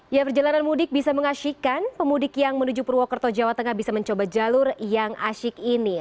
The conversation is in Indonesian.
ya perjalanan mudik bisa mengasihkan pemudik yang menuju purwokerto jawa tengah bisa mencoba jalur yang asyik ini